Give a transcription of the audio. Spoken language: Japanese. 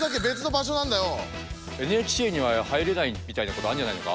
ＮＨＫには入れないみたいなことあんじゃないのか？